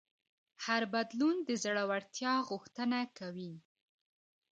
هر بدلون د زړهورتیا غوښتنه کوي.